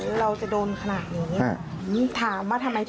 ถามว่าทำไมถึงโดนขนาดนี้โดนเพราะสายเหมือนอะไรเขาก็บอกว่าเขาไม่รู้